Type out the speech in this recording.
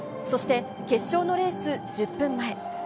そして、決勝のレース１０分前。